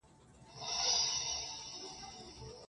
په ميکده کي د چا ورا ده او شپه هم يخه ده~